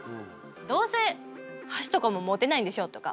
どうせ箸とかも持てないんでしょとか。